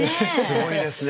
すごいですね。